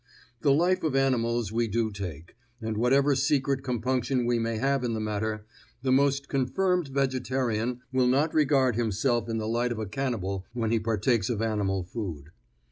The life of animals we do take, and whatever secret compunction we may have in the matter, the most confirmed vegetarian will not regard himself in the light of a cannibal when he partakes of animal food.